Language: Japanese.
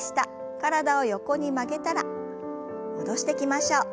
体を横に曲げたら戻してきましょう。